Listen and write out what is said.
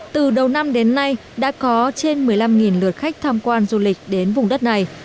từ đầu năm đến nay đã có trên một mươi năm lượt khách tham quan du lịch đến vùng đất này